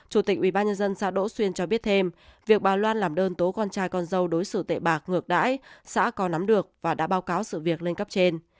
chủ tịch ubnd xã đỗ xuyên cho biết thêm việc bà loan làm đơn tố con trai con dâu đối xử tệ bạc ngược đãi xã có nắm được và đã báo cáo sự việc lên cấp trên